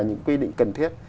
những quy định cần thiết